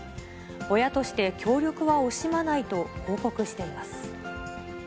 親として協力は惜しまないと報告しています。